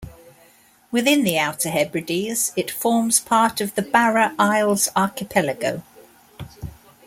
Within the Outer Hebrides, it forms part of the Barra Isles archipelago.